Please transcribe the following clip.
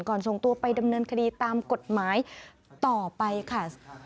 ส่งตัวไปดำเนินคดีตามกฎหมายต่อไปค่ะ